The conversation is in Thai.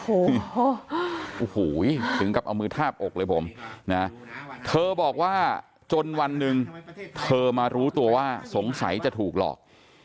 โอ้โหถึงกับเอามือทาบอกเลยผมนะเธอบอกว่าจนวันหนึ่งเธอมารู้ตัวว่าสงสัยจะถูกหลอก